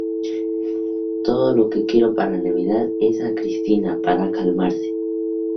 Todo lo que quiero para Navidad es a Christina para calmarse".